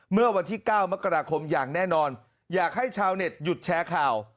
เมื่อวันที่๙มกราคมอย่างแน่นอนอยากให้ชาวเน็ตหยุดแชร์ข่าว